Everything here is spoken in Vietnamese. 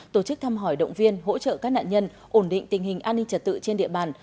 tổ chức thăm hỏi động viên hỗ trợ các nạn nhân ổn định tình hình an ninh trật tự trên địa bàn